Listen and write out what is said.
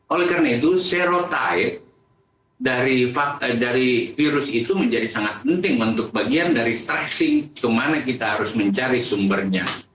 oleh karena itu serotipe dari virus itu menjadi sangat penting untuk bagian dari stressing kemana kita harus mencari sumbernya